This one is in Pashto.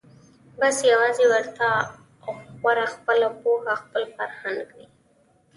بس یوازي ورته غوره خپله پوهه خپل فرهنګ وي